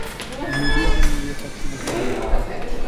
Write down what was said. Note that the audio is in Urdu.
میڈیا کیلئے یہ سیکسی مضمون نہیں۔